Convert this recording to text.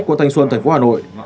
của thanh xuân tp hà nội